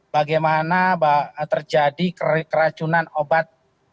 bagaimana terjadi keracunan obat